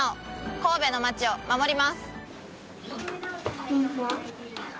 神戸の町を守ります！